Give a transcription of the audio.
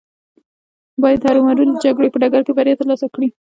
هغه بايد هرو مرو د جګړې په ډګر کې بريا ترلاسه کړې وای.